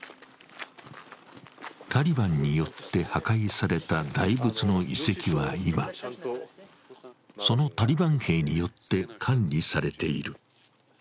タリバンによって破壊された大仏の遺跡は今、そのタリバン兵によって管理されている。